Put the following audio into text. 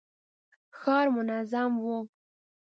ښار منظم و.